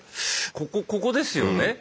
ここここですよね？